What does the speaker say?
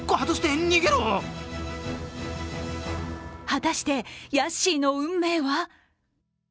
果たして、ヤッシーの運命は！？